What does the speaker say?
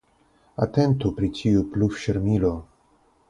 Atentu pri tiu pluvŝirmilo!